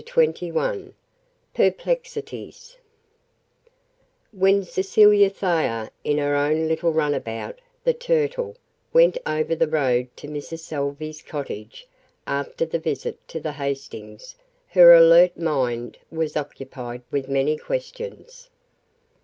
CHAPTER XXI PERPLEXITIES When Cecilia Thayer in her own little runabout, the Turtle, went over the road to Mrs. Salvey's cottage, after the visit to the Hastings, her alert mind was occupied with many questions.